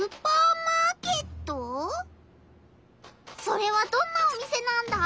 それはどんなお店なんだ？